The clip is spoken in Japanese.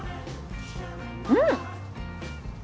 うん！